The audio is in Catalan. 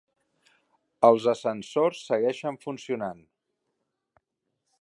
Els ascensors segueixen funcionant.